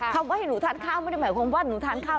คำว่าให้หนูทานข้าวไม่ได้หมายความว่าหนูทานข้าว